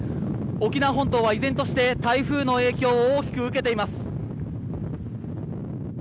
沖縄本島は依然として台風の影響を大きく受けています。